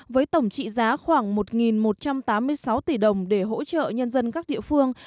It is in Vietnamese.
với tổng trị giá khoảng một một trăm tám mươi sáu tỷ đồng để hỗ trợ nhân dân các địa phương